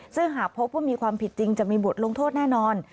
ซึ่งหากพบว่ามีความผิดจริงจะมีบทลงโทษแน่นอน